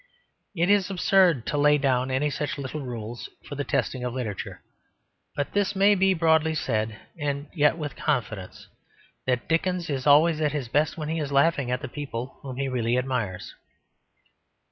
It is absurd to lay down any such little rules for the testing of literature. But this may be broadly said and yet with confidence: that Dickens is always at his best when he is laughing at the people whom he really admires.